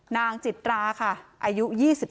นางจิตราค่ะอายุ๒๓